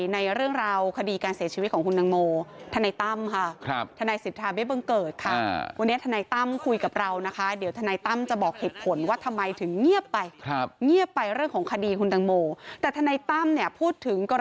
ในเรื่องราวคดีการเสียชีวิตของขุนนางโม